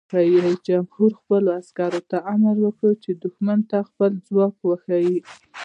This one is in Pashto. رئیس جمهور خپلو عسکرو ته امر وکړ؛ دښمن ته خپل ځواک وښایئ!